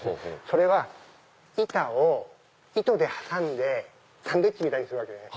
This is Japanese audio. それは板を糸で挟んでサンドイッチみたいにするんです。